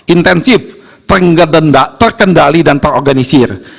intensif terkendali dan terorganisir